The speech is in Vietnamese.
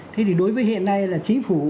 thế thì đối với hiện nay là chính phủ